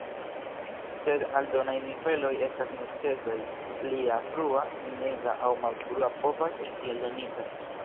Se aldonaj niveloj estas necesaj, plia "Frua", "Meza" aŭ "Malfrua" povas esti aldonita.